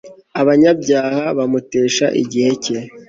abanyabyaha bamutesha igihe cye